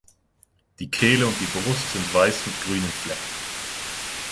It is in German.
Die Kehle und die Brust sind weiß mit grünen Flecken.